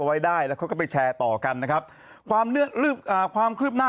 ไว้ได้แล้วเขาก็ไปแชร์ต่อกันนะครับความคืบหน้า